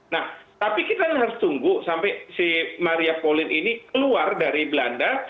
nah tapi kita harus tunggu sampai si maria poline ini keluar dari belanda